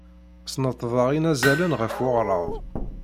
Sneṭḍeɣ inazalen ɣef weɣrab.